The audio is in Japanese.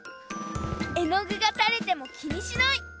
えのぐがたれてもきにしない！